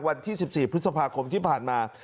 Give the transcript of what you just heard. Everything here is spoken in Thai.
วันที่๑๔พฤษภาคมที่ผ่านมา